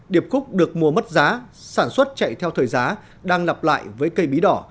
điệp cúc được mua mất giá sản xuất chạy theo thời giá đang lặp lại với cây bí đỏ